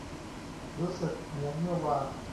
รู้สึกเหมือนเมื่อวาน